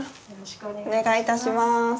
お願いいたします。